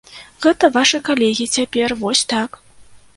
Гэта вашы калегі цяпер, вось так.